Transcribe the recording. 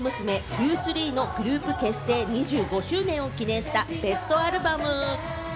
’２３のグループ結成２５周年を記念したベストアルバム。